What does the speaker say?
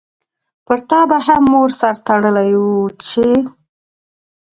پرتا به هم مور سر تړلی وو چی